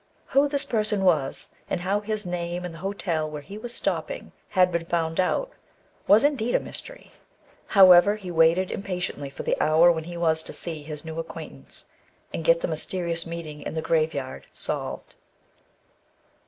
Who this person was, and how his name and the hotel where he was stopping had been found out, was indeed a mystery. However, he waited impatiently for the hour when he was to see this new acquaintance, and get the mysterious meeting in the grave yard solved.